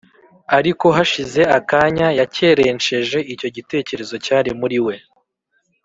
ariko hashize akanya yakerensheje icyo gitekerezo cyari muri we